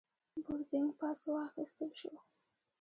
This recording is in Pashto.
بوردینګ پاس واخیستل شو.